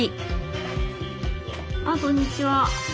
あっこんにちは。